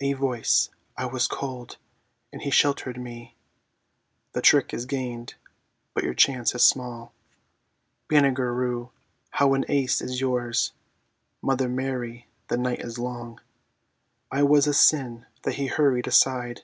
A voice, "I was cold, and he sheltered me ..." The trick is gained, but your chance is small. Banagher Rhue, now an ace is yours; (Mother Mary, the night is long!) "I was a sin that he hurried aside